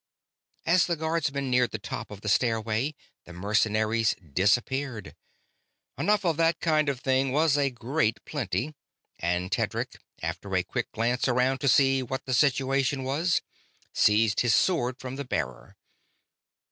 As the Guardsmen neared the top of the stairway the mercenaries disappeared enough of that kind of thing was a great plenty and Tedric, after a quick glance around to see what the situation was, seized his sword from the bearer.